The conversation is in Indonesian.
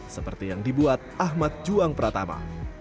seperti yang dibuat ahmad juang pratama